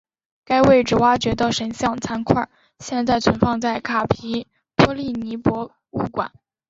在该位置挖掘的神像残块现在存放在卡皮托利尼博物馆。